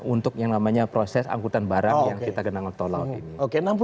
untuk yang namanya proses angkutan barang yang kita gendang tol laut ini